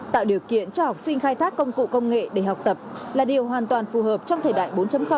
tạo điều kiện cho học sinh khai thác công cụ công nghệ để học tập là điều hoàn toàn phù hợp trong thời đại bốn